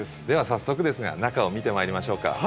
では早速ですが中を見てまいりましょうか。